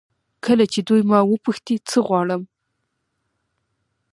کله چې دوی ما وپوښتي څه غواړم.